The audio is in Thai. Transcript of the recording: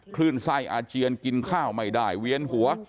คลื่นไส้อาเจียนกินข้าวไม่ได้เวียนหัว